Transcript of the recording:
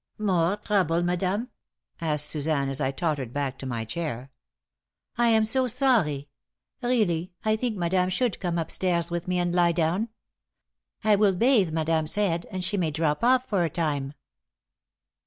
"More trouble, madame?" asked Suzanne, as I tottered back to my chair. "I am so sorry. Really, I think madame should come up stairs with me and lie down. I will bathe madame's head, and she may drop off for a time."